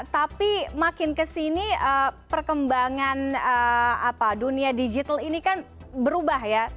tapi makin kesini perkembangan dunia digital ini kan berubah ya